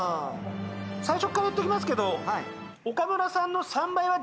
最初っから言っときますけど。